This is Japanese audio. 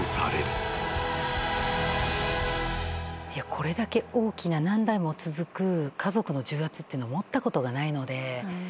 これだけ大きな何代も続く家族の重圧って持ったことがないので。